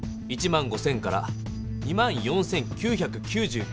１５０００から２４９９９です。